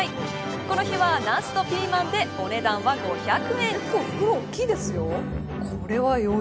この日はナスとピーマンでお値段は５００円。